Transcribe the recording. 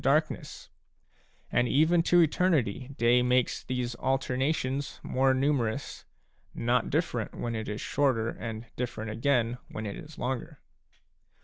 darkness, — and even to eternity day makes these alternations ° more numerous, not different when it is shorter and different again when it is longer.